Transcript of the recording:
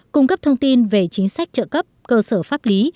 cung cấp thông tin về chính sách trợ cấp cơ sở pháp lý